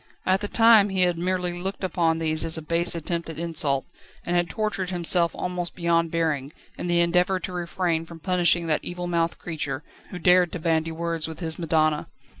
At the time he had merely looked upon these as a base attempt at insult, and had tortured himself almost beyond bearing, in the endeavour to refrain from punishing that evilmouthed creature, who dared to bandy words with his madonna.